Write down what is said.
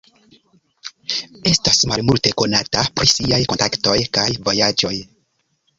Estas malmulte konata pri siaj kontaktoj kaj vojaĝoj.